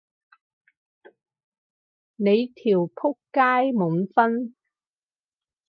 你條僕街滿分？